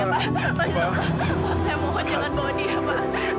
saya mohon jangan bawa dia pak